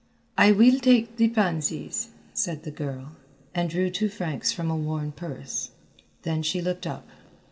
"I will take the pansies," said the girl, and drew two francs from a worn purse. Then she looked up.